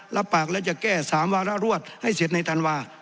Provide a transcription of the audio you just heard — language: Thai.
รับปากแล้วจะแก้๓วาระรวดให้เสร็จในธันวา